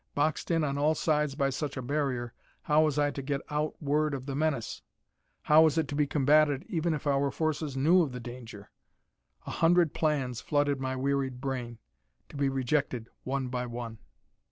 Boxed in on all sides by such a barrier, how was I to get out word of the menace? How was it to be combatted even if our forces knew of the danger? A hundred plans flooded my wearied brain, to be rejected one by one.